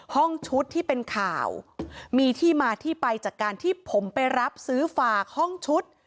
ห้องชุดที่เป็นข่าวมีที่มาที่ไปจากการที่ผมไปรับซื้อฝากห้องชุด